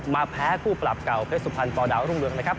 แพ้คู่ปรับเก่าเพชรสุพรรณปอดาวรุ่งเรืองนะครับ